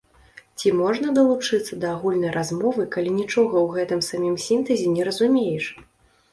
Ці можна далучыцца да агульнай размовы, калі нічога ў гэтым самім сінтэзе не разумееш?